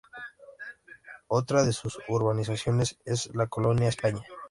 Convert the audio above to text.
Otra de sus urbanizaciones es la Colonia España.